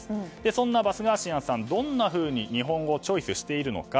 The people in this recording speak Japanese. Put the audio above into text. そんなバスガーシアンさんはどんなふうに日本語をチョイスしているのか。